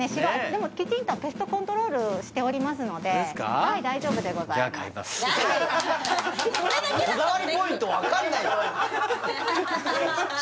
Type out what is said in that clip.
でもきちんとぺストコントロールしておりますのでホントですか？